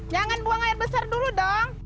jangan buang air besar dulu dong